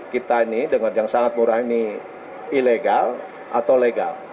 kita ini dengan yang sangat murah ini ilegal atau legal